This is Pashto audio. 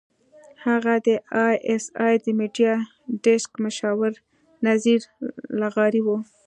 هغه د اى ايس اى د میډیا ډیسک مشاور نذیر لغاري وو.